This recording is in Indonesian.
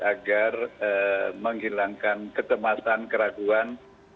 agar menghilangkan ketemasan keraguan